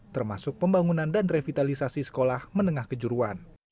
termasuk pembangunan dan revitalisasi sekolah menengah kejuruan